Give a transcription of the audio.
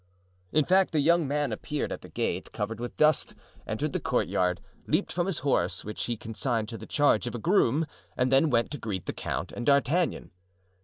In fact, the young man appeared at the gate, covered with dust, entered the courtyard, leaped from his horse, which he consigned to the charge of a groom, and then went to greet the count and D'Artagnan.